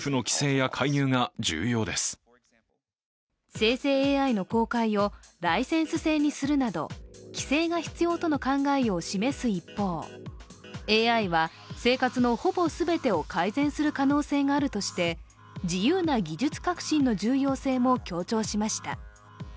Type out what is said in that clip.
生成ＡＩの公開をライセンス制にするなど、規制が必要との考えを示す一方ＡＩは生活のほぼ全てを改善する可能性があるとして、自由な技術革新の重要性も強調しました。